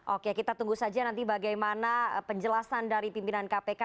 oke kita tunggu saja nanti bagaimana penjelasan dari pimpinan kpk